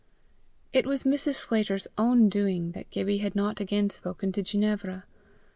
It was Mrs. Sclater's own doing that Gibbie had not again spoken to Ginevra.